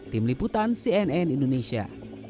tim liputan cnn indonesia